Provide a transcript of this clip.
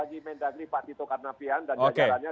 ini tantangan bagi medagri partitokan napian dan jajarannya